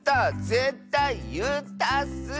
ぜったいいったッス！